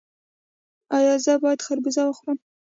ایا زه باید خربوزه وخورم؟